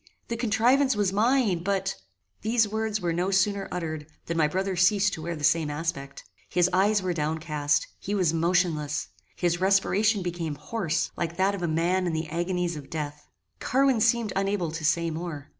The contrivance was mine, but " These words were no sooner uttered, than my brother ceased to wear the same aspect. His eyes were downcast: he was motionless: his respiration became hoarse, like that of a man in the agonies of death. Carwin seemed unable to say more.